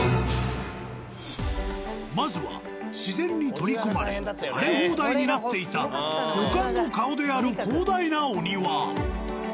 まずは自然に取り込まれ荒れ放題になっていた旅館の顔である広大なお庭。